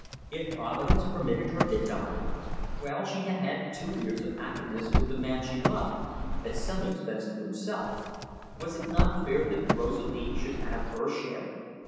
If Providence permitted her to die? well, she had had two years of happiness with the man she loved, at some expense to himself was it not fair that Rosalie should have her share?